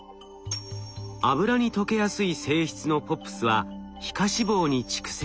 脂に溶けやすい性質のＰＯＰｓは皮下脂肪に蓄積。